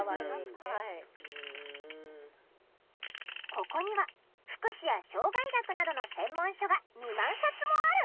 ここには福祉や障害学などの専門書が２万冊もある！